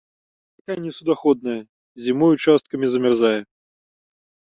Рака несуднаходная, зімой ўчасткамі замярзае.